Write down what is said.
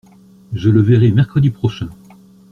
Je le verrai mercredi prochain.